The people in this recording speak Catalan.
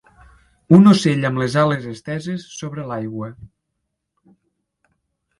Un ocell amb les ales esteses sobre l'aigua.